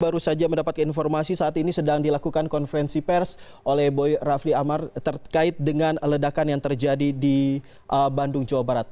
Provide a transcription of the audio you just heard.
baru saja mendapatkan informasi saat ini sedang dilakukan konferensi pers oleh boy rafli amar terkait dengan ledakan yang terjadi di bandung jawa barat